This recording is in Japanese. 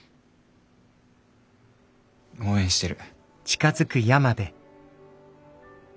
応援してる。